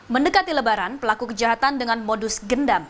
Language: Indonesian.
mendekati lebaran pelaku kejahatan dengan modus gendam